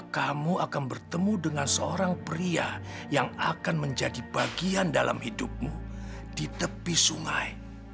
kamu akan bertemu dengan seorang pria yang akan menjadi bagian dalam hidupmu di tepi sungai